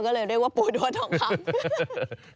ก็เลยเรียกว่าปูด้วนทองคำ